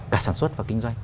cả sản xuất và kinh doanh